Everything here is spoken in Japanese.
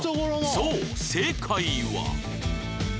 そう正解は